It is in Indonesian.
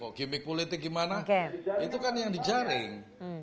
kok gimmick politik gimana itu kan yang dijaring